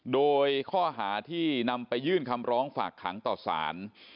โดยข้อหาที่นำไปยื่นคำร้องฝากขังต่อสาร